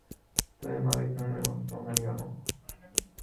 তুমি মালিক তুমি মেরামত করো নাই কেন।